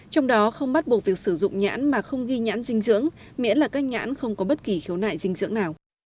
trong đó không bắt buộc việc sử dụng nhãn mà không ghi nhãn dinh dưỡng miễn là các nhãn không có bất kỳ khiếu nại dinh dưỡng nào